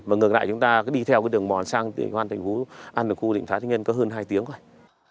mà ngược lại chúng ta có đi theo cái đường mòn sang an tầng khu định thái thanh yên có hơn hai tiếng thôi